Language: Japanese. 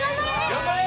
頑張れ！